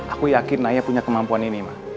aku yakin naya punya kemampuan ini